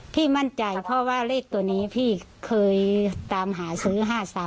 พี่มั่นใจเพราะว่าเลขตัวนี้พี่เคยตามหาซื้อ๕๓